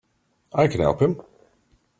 I can help him!